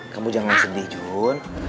kamu jangan sedih jun